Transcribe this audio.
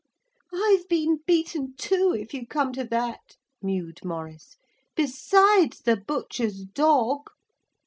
'I've been beaten, too, if you come to that,' mewed Maurice. 'Besides the butcher's dog.'